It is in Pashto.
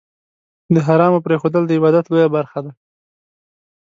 د حرامو پرېښودل، د عبادت لویه برخه ده.